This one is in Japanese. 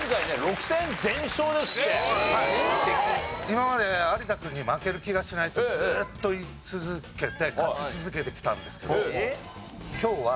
今までね有田君に負ける気がしないってずーっと言い続けて勝ち続けてきたんですけど今日は。